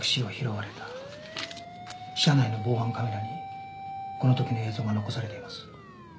車内の防犯カメラにこの時の映像が残されています。